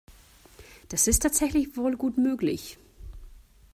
Das ist tatsächlich voll gut möglich.